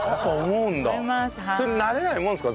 それ慣れないもんですか？